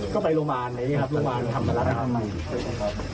ก็ไปโลหมานไหนครับโลหมานทำแบบนี้